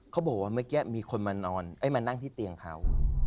เขาบอกว่าเมื่อกี้มีคนมานอนมานั่งที่เตียงเขา